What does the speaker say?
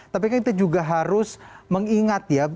tapi kan kita juga harus mengingat ya